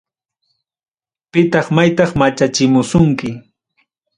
Pitaq maytaq machachimusunki.